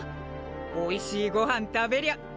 おいしいご飯食べりゃ。